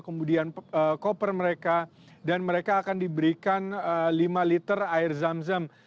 kemudian koper mereka dan mereka akan diberikan lima liter air zam zam